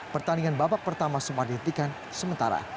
pertandingan babak pertama semua dihentikan sementara